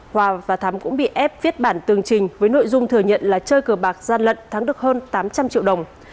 hòa và thắm cũng bị ép viết bản tường trình với nội dung thừa nhận là chơi cờ bạc gian lận thắng được hơn tám trăm linh triệu đồng